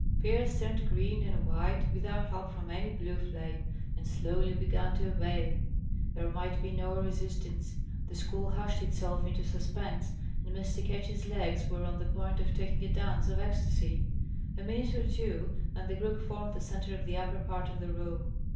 Pierce turned green and white, without help from any blue flame, and slowly began to obey. There might be no resistance. The school hushed itself into suspense, and Mr. Ketch's legs were on the point of taking a dance of ecstasy. A minute or two, and the group formed the centre of the upper part of the room.